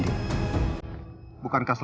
ini bunga naszej